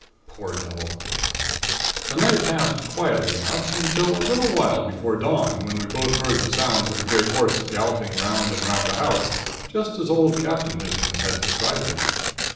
Poor devil! "The night passed quietly enough until a little while before dawn when we both heard the sounds of a great horse galloping 'round and 'round the house just as old Captain Hisgins had described it.